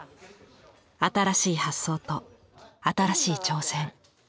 新しい発想と新しい挑戦。